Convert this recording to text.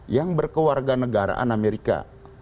yang berkeluarga negaraan amerika